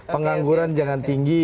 pengangguran jangan tinggi